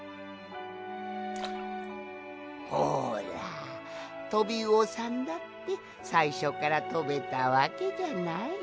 ほらトビウオさんだってさいしょからとべたわけじゃない。